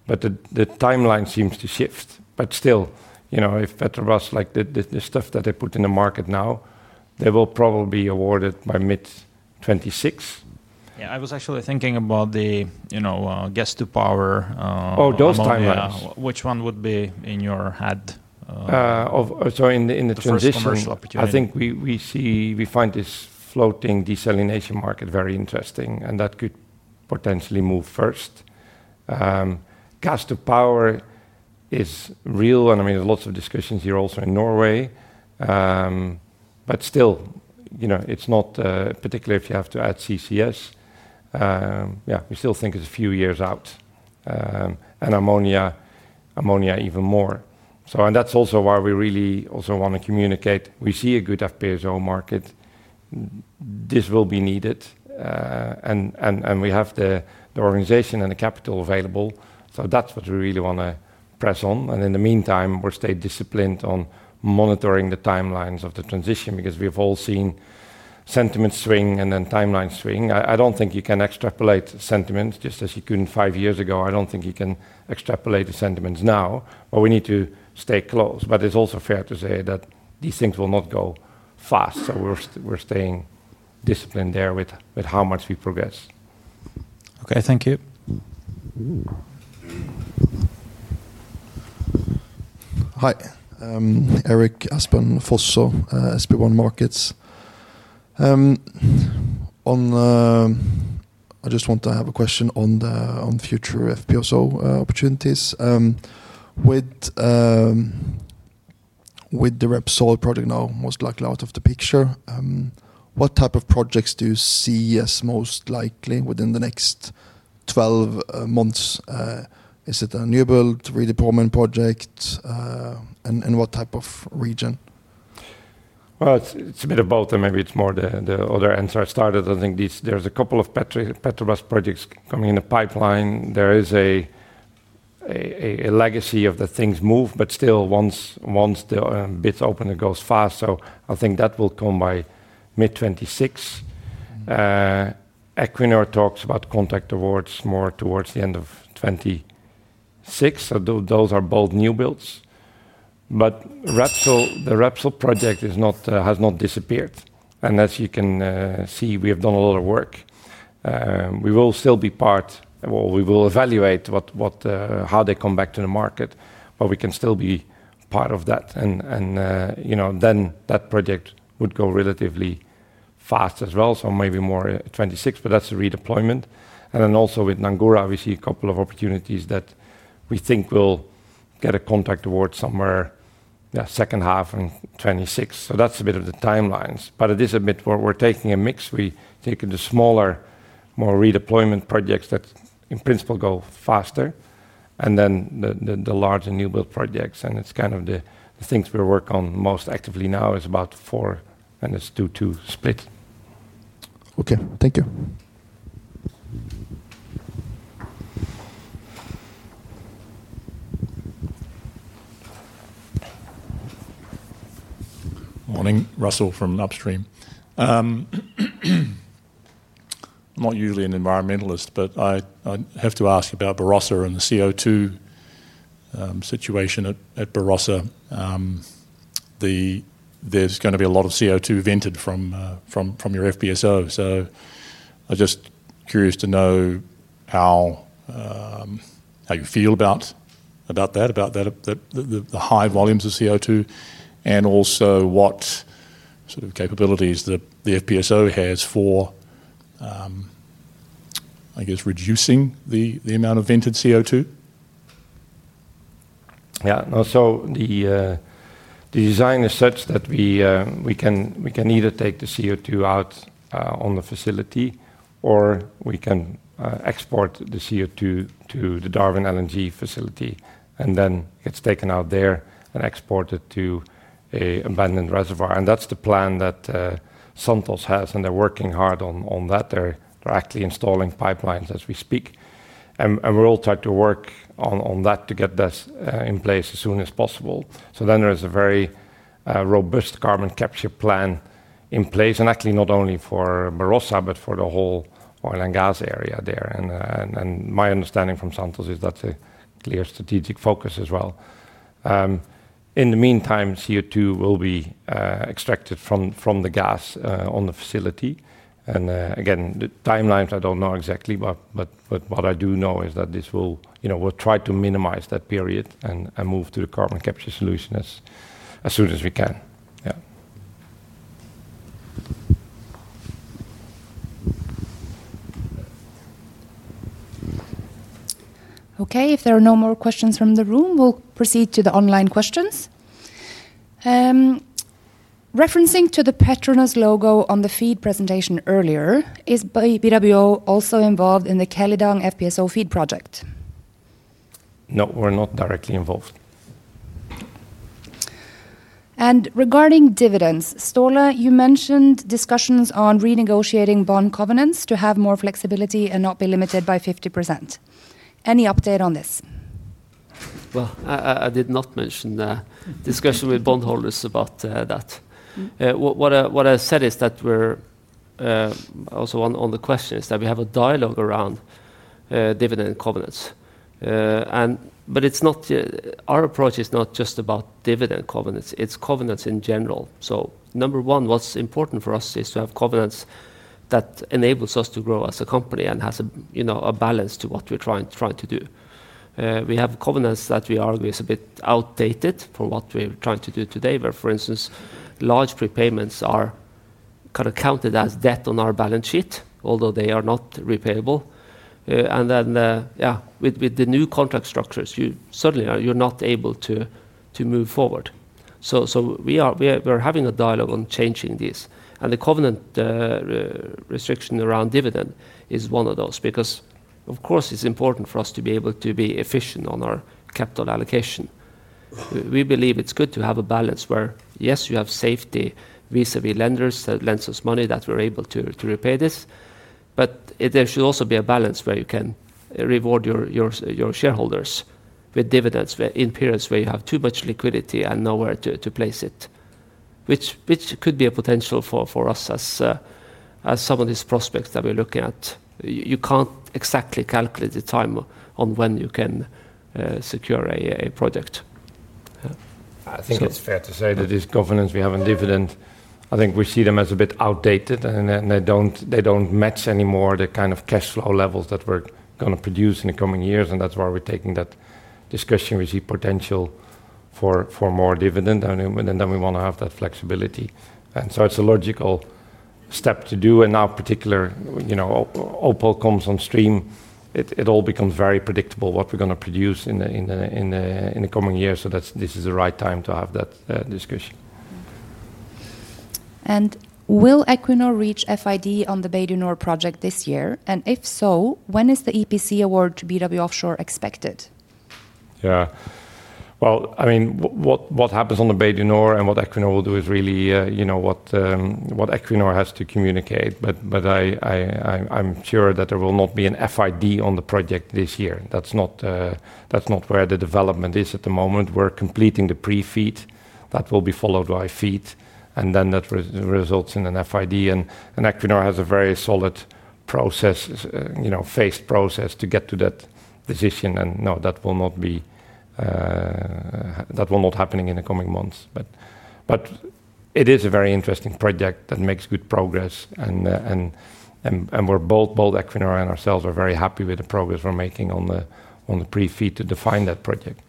timeline seems to shift. Still, you know, if Petrobras like the stuff that they put in the market now, they will probably be awarded by mid-2026. Yeah, I was actually thinking about the, you know, gas-to-power. Oh, those timelines. Which one would be in your head? In the transition, I think we see we find this floating desalination market very interesting, and that could potentially move first. Gas-to-power is real, and I mean, there's lots of discussions here also in Norway, but still, you know, it's not, particularly if you have to add CCS. Yeah, we still think it's a few years out, and ammonia even more so. That's also why we really also want to communicate we see a good FPSO market. This will be needed, and we have the organization and the capital available. That's what we really want to press on. In the meantime, we'll stay disciplined on monitoring the timelines of the transition because we have all seen sentiment swing and then timeline swing. I don't think you can extrapolate sentiments just as you couldn't five years ago. I don't think you can extrapolate the sentiments now, but we need to stay close. It's also fair to say that these things will not go fast. We're staying disciplined there with how much we progress. Okay, thank you. Hi. Eric Aspen Fosså, SP1 Markets. I just want to have a question on the future FPSO opportunities. With the Repsol project now most likely out of the picture, what type of projects do you see as most likely within the next 12 months? Is it a renewable redeployment project, and what type of region? It's a bit of both, and maybe it's more the other answer I started. I think there's a couple of Petrobras projects coming in the pipeline. There is a legacy of the things move, but still, once the bids open, it goes fast. I think that will come by mid-2026. Equinor talks about contract awards more towards the end of 2026. Those are both new builds. The Repsol project has not disappeared. As you can see, we have done a lot of work. We will still be part, we will evaluate how they come back to the market, but we can still be part of that. You know, then that project would go relatively fast as well. Maybe more at 2026, but that's a redeployment. Also, with Nganhurra, we see a couple of opportunities that we think will get a contract award somewhere, yeah, second half in 2026. That's a bit of the timelines. It is a bit where we're taking a mix. We take the smaller, more redeployment projects that in principle go faster, and then the larger new build projects. It's kind of the things we work on most actively now is about four, and it's two-two split. Okay, thank you. Morning. Russell from Upstream. I'm not usually an environmentalist, but I have to ask about Barossa and the CO2 situation at Barossa. There's going to be a lot of CO2 vented from your FPSO. I'm just curious to know how you feel about that, about the high volumes of CO2, and also what sort of capabilities the FPSO has for, I guess, reducing the amount of vented CO2. Yeah. The design is such that we can either take the CO2 out on the facility, or we can export the CO2 to the Darwin LNG facility, and then it's taken out there and exported to an abandoned reservoir. That's the plan that Santos has, and they're working hard on that. They're actually installing pipelines as we speak. We're all trying to work on that to get this in place as soon as possible. There is a very robust carbon capture plan in place, actually not only for Barossa, but for the whole oil and gas area there. My understanding from Santos is that's a clear strategic focus as well. In the meantime, CO2 will be extracted from the gas on the facility. The timelines, I don't know exactly, but what I do know is that this will, you know, we'll try to minimize that period and move to the carbon capture solution as soon as we can. Yeah. Okay. If there are no more questions from the room, we'll proceed to the online questions. Referencing to the Petronas logo on the FEED presentation earlier, is Fosså Offshore also involved in the Kalidang FPSO FEED project? No, we're not directly involved. Regarding dividends, Ståle, you mentioned discussions on renegotiating bond covenants to have more flexibility and not be limited by 50%. Any update on this? I did not mention discussion with bondholders about that. What I said is that we're also on the question is that we have a dialogue around dividend covenants, but our approach is not just about dividend covenants. It's covenants in general. Number one, what's important for us is to have covenants that enable us to grow as a company and have a balance to what we're trying to do. We have covenants that we argue are a bit outdated from what we're trying to do today, where, for instance, large prepayments are kind of counted as debt on our balance sheet, although they are not repayable. With the new contract structures, you suddenly are not able to move forward. We are having a dialogue on changing these, and the covenant restriction around dividend is one of those because, of course, it's important for us to be able to be efficient on our capital allocation. We believe it's good to have a balance where, yes, you have safety vis-à-vis lenders that lend us money that we're able to repay this, but there should also be a balance where you can reward your shareholders with dividends in periods where you have too much liquidity and nowhere to place it, which could be a potential for us as some of these prospects that we're looking at. You can't exactly calculate the time on when you can secure a project. Yeah. I think it's fair to say that these covenants we have on dividend, we see them as a bit outdated, and they don't match anymore the kind of cash flow levels that we're going to produce in the coming years. That's why we're taking that discussion. We see potential for more dividend, and we want to have that flexibility. It's a logical step to do. Now, particularly, you know, Opal comes on stream. It all becomes very predictable what we're going to produce in the coming year. This is the right time to have that discussion. Will Equinor reach FID on the Bay du Nord project this year? If so, when is the EPC award to BW Offshore expected? Yeah. What happens on the Bay du Nord and what Equinor will do is really, you know, what Equinor has to communicate. I'm sure that there will not be an FID on the project this year. That's not where the development is at the moment. We're completing the pre-FEED that will be followed by FEED, and then that results in an FID. Equinor has a very solid, phased process to get to that decision. No, that will not happen in the coming months. It is a very interesting project that makes good progress, and we're both Equinor and ourselves are very happy with the progress we're making on the pre-FEED to define that project.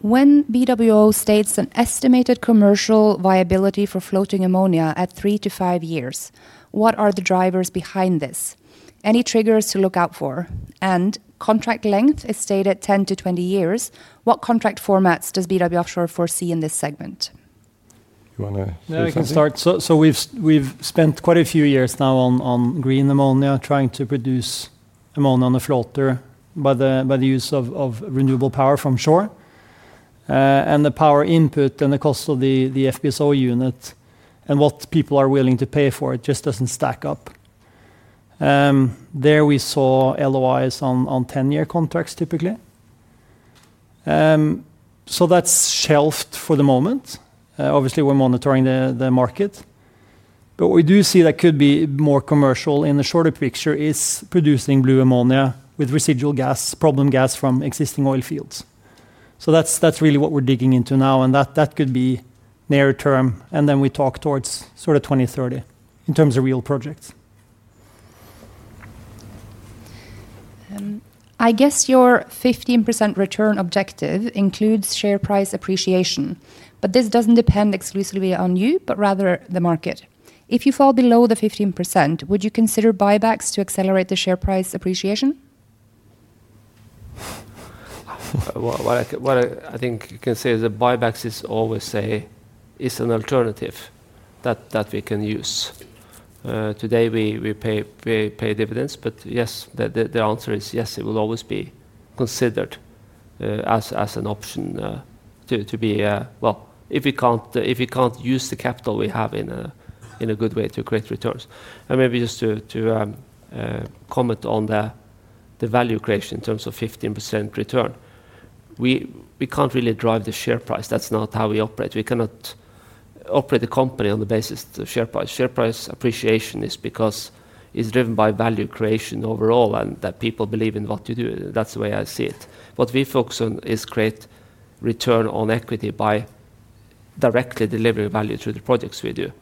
When BW Offshore states an estimated commercial viability for floating ammonia at three to five years, what are the drivers behind this? Are there any triggers to look out for? Contract length is stated as 10-20 years. What contract formats does BW Offshore foresee in this segment? You want to start? I can start. We've spent quite a few years now on green ammonia, trying to produce ammonia on a floater by the use of renewable power from shore. The power input and the cost of the FPSO unit and what people are willing to pay for it just doesn't stack up. We saw LOIs on 10-year contracts typically. That's shelved for the moment. Obviously, we're monitoring the market. What we do see that could be more commercial in the shorter picture is producing blue ammonia with residual gas, problem gas from existing oil fields. That's really what we're digging into now, and that could be near-term. We talk towards sort of 2030 in terms of real projects. I guess your 15% return objective includes share price appreciation, but this doesn't depend exclusively on you, but rather the market. If you fall below the 15%, would you consider buybacks to accelerate the share price appreciation? What I think you can say is that buybacks is always an alternative that we can use. Today, we pay dividends, but yes, the answer is yes, it will always be considered as an option to be, if we can't use the capital we have in a good way to create returns. Maybe just to comment on the value creation in terms of 15% return. We can't really drive the share price. That's not how we operate. We cannot operate the company on the basis of the share price. Share price appreciation is because it's driven by value creation overall and that people believe in what you do. That's the way I see it. What we focus on is creating return on equity by directly delivering value through the projects we do.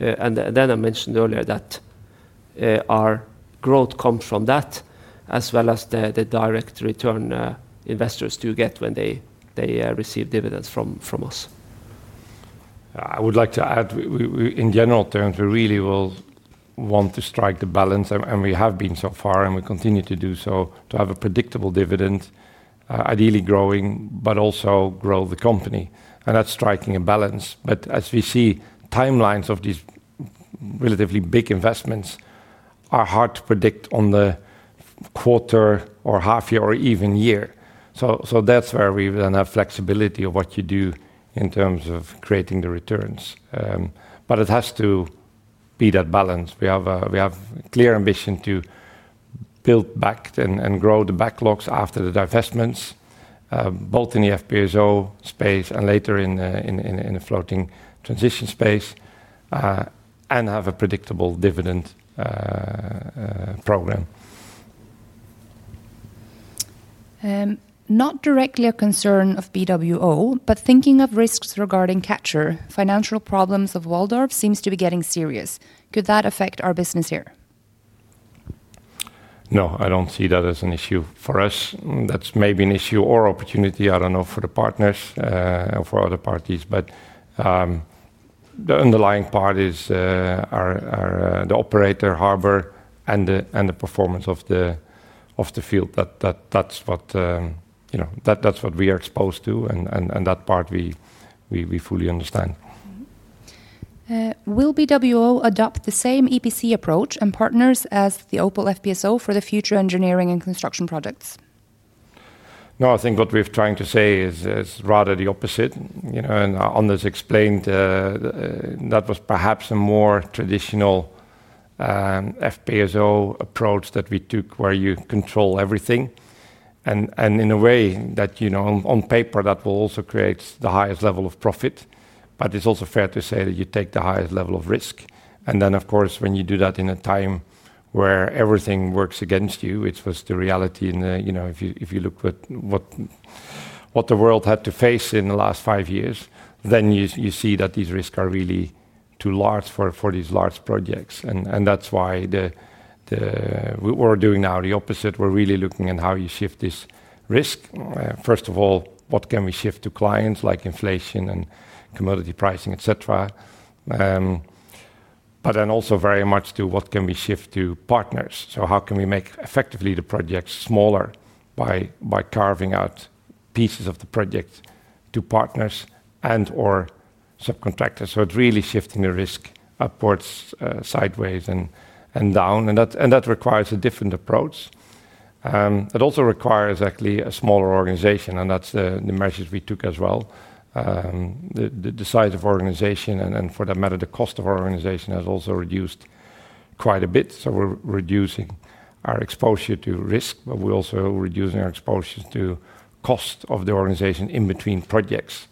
I mentioned earlier that our growth comes from that as well as the direct return investors do get when they receive dividends from us. I would like to add, we in general terms, we really want to strike the balance, and we have been so far, and we continue to do so, to have a predictable dividend, ideally growing, but also grow the company. That's striking a balance. As we see, timelines of these relatively big investments are hard to predict on the quarter or half year or even year. That's where we then have flexibility of what you do in terms of creating the returns, but it has to be that balance. We have a clear ambition to build back and grow the backlogs after the divestments, both in the FPSO space and later in the floating transition space, and have a predictable dividend program. Not directly a concern of BWO but thinking of risks regarding Catcher, financial problems of Waldorf seems to be getting serious. Could that affect our business here? No, I don't see that as an issue for us. That's maybe an issue or opportunity, I don't know, for the partners and for other parties. The underlying part is the operator, Harbor, and the performance of the field. That's what we are exposed to, and that part we fully understand. Will BW Offshore adopt the same EPC approach and partners as the Opal FPSO for the future engineering and construction projects? No, I think what we're trying to say is rather the opposite. You know, and Anders Platou explained that was perhaps a more traditional FPSO approach that we took where you control everything. In a way, on paper, that will also create the highest level of profit, but it's also fair to say that you take the highest level of risk. Of course, when you do that in a time where everything works against you, which was the reality in the, you know, if you look at what the world had to face in the last five years, then you see that these risks are really too large for these large projects. That's why we're doing now the opposite. We're really looking at how you shift this risk. First of all, what can we shift to clients like inflation and commodity pricing, et cetera. Then also very much to what can we shift to partners. How can we make effectively the projects smaller by carving out pieces of the project to partners and/or subcontractors. It's really shifting the risk upwards, sideways, and down. That requires a different approach. It also requires actually a smaller organization, and that's the measures we took as well. The size of our organization, and for that matter, the cost of our organization has also reduced quite a bit. We're reducing our exposure to risk, but we're also reducing our exposure to cost of the organization in between projects.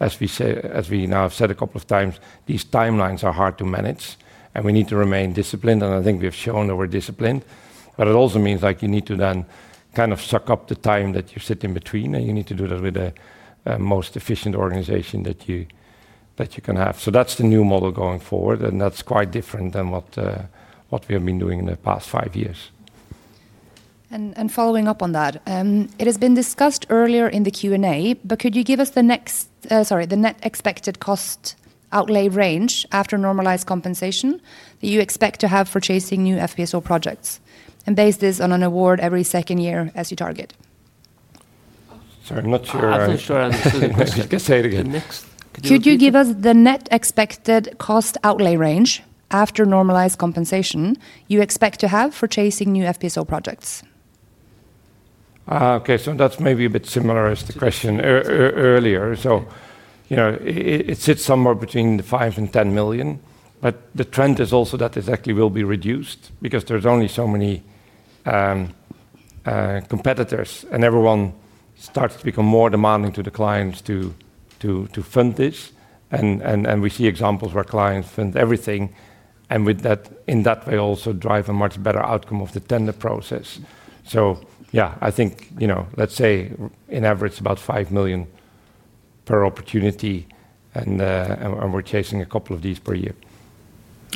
As we say, as we now have said a couple of times, these timelines are hard to manage, and we need to remain disciplined. I think we've shown that we're disciplined, but it also means you need to then kind of suck up the time that you sit in between, and you need to do that with the most efficient organization that you can have. That's the new model going forward, and that's quite different than what we have been doing in the past five years. Following up on that, it has been discussed earlier in the Q&A, could you give us the net expected cost outlay range after normalized compensation that you expect to have for chasing new FPSO projects? Please base this on an award every second year as you target. Sorry, I'm not sure. I'm not sure I understood the question. You can say it again. Could you give us the net expected cost outlay range after normalized compensation you expect to have for chasing new FPSO projects? Okay. That's maybe a bit similar as the question earlier. It sits somewhere between $5 million and $10 million, but the trend is also that it actually will be reduced because there's only so many competitors, and everyone starts to become more demanding to the clients to fund this. We see examples where clients fund everything, and in that way, also drive a much better outcome of the tender process. I think, let's say on average, about $5 million per opportunity, and we're chasing a couple of these per year.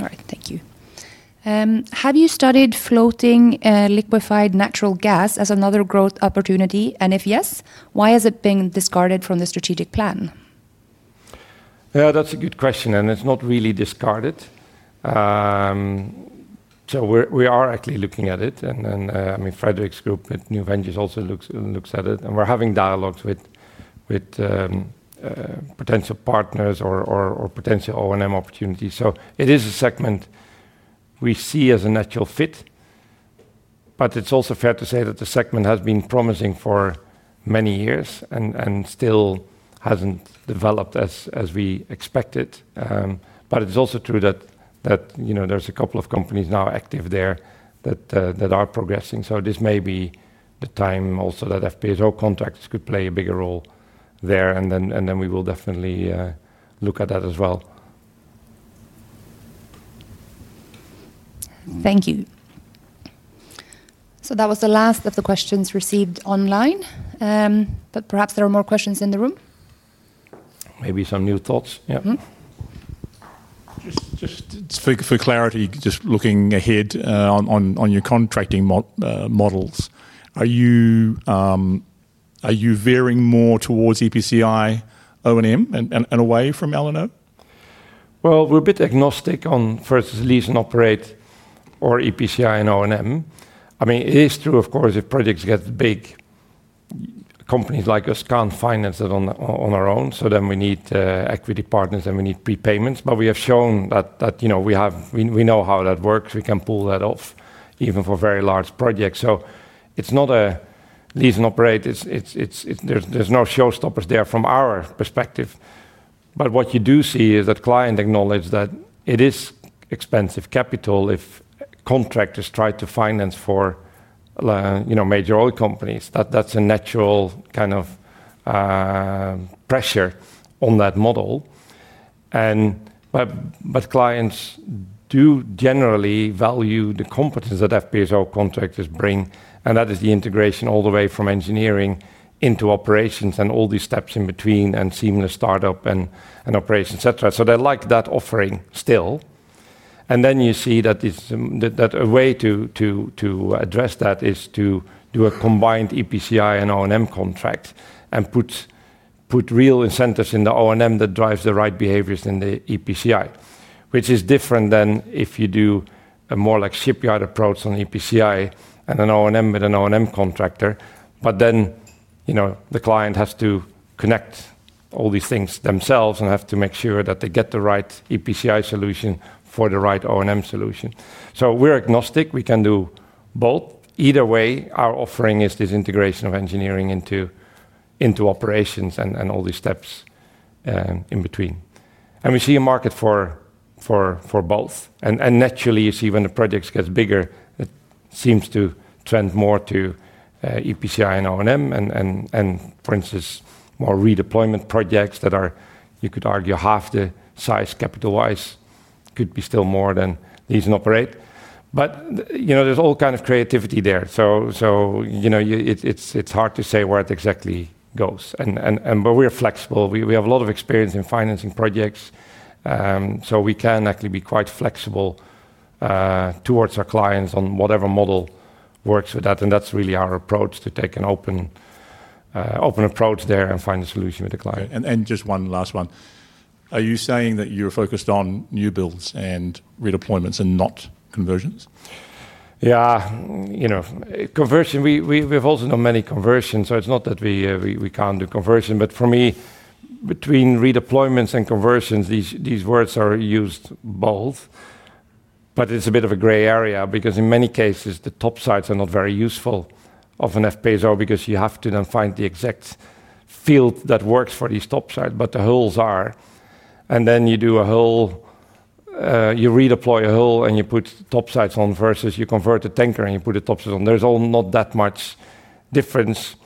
All right. Thank you. Have you studied floating liquefied natural gas as another growth opportunity? If yes, why is it being discarded from the strategic plan? Yeah, that's a good question, and it's not really discarded. We are actually looking at it, and I mean, Frederick's group at New Venge also looks at it. We're having dialogues with potential partners or potential O&M opportunities. It is a segment we see as a natural fit, but it's also fair to say that the segment has been promising for many years and still hasn't developed as we expected. It's also true that there's a couple of companies now active there that are progressing. This may be the time that FPSO contracts could play a bigger role there, and we will definitely look at that as well. Thank you. That was the last of the questions received online, but perhaps there are more questions in the room? Maybe some new thoughts. Yeah. Just for clarity, just looking ahead on your contracting models, are you veering more towards EPC, O&M, and away from L&M? We're a bit agnostic on first lease and operate or EPCI and O&M. It is true, of course, if projects get big, companies like us can't finance it on our own. Then we need equity partners and we need prepayments. We have shown that we know how that works. We can pull that off even for very large projects. It's not a lease and operate. There's no showstoppers there from our perspective. What you do see is that clients acknowledge that it is expensive capital if contractors try to finance for, you know, major oil companies. That's a natural kind of pressure on that model. Clients do generally value the competence that FPSO contractors bring, and that is the integration all the way from engineering into operations and all these steps in between and seamless startup and operations, et cetera. They like that offering still. You see that a way to address that is to do a combined EPCI and O&M contract and put real incentives in the O&M that drives the right behaviors in the EPCI, which is different than if you do a more like shipyard approach on EPCI and an O&M with an O&M contractor. The client has to connect all these things themselves and have to make sure that they get the right EPCI solution for the right O&M solution. We're agnostic. We can do both. Either way, our offering is this integration of engineering into operations and all these steps in between. We see a market for both. Naturally, you see when the projects get bigger, it seems to trend more to EPCI and O&M, and for instance, more redeployment projects that are, you could argue, half the size capital-wise could be still more than lease and operate. There's all kinds of creativity there. It's hard to say where it exactly goes. We're flexible. We have a lot of experience in financing projects. We can actually be quite flexible towards our clients on whatever model works with that. That's really our approach to take an open approach there and find a solution with the client. Are you saying that you're focused on new builds and redeployments and not conversions? Yeah. We've also done many conversions, so it's not that we can't do conversion. For me, between redeployments and conversions, these words are used both. It's a bit of a gray area because in many cases, the topsides are not very useful of an FPSO because you have to then find the exact field that works for these topsides, but the hulls are. You do a hull, you redeploy a hull, and you put the topsides on versus you convert a tanker and you put the topsides on. There's not that much difference.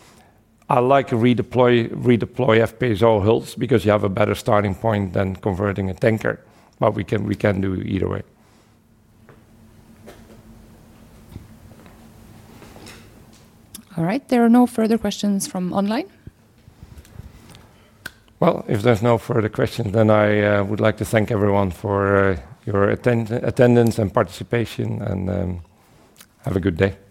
I like to redeploy FPSO hulls because you have a better starting point than converting a tanker. We can do either way. Right. There are no further questions from online. If there's no further questions, I would like to thank everyone for your attendance and participation, and have a good day. Thank you.